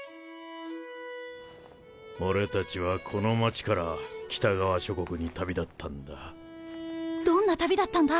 俺たちはこの街から北側諸国に旅立っどんな旅だったんだ？